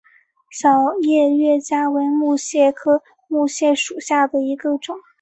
小叶月桂为木犀科木犀属下的一个种。